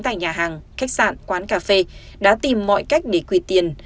tại nhà hàng khách sạn quán cà phê đã tìm mọi cách để quỳ tiền